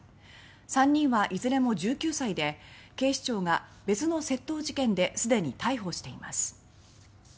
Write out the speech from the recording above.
３人はいずれも１９歳で警視庁が別の窃盗事件で既に逮捕しています。